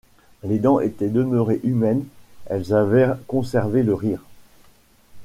Les dents étaient demeurées humaines, elles avaient conservé le rire.